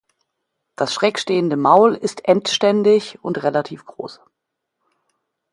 Das schräg stehende Maul ist endständig und relativ groß.